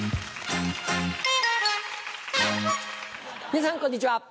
皆さんこんにちは。